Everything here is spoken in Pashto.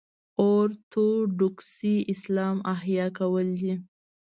اورتوډوکسي اسلام احیا کول دي.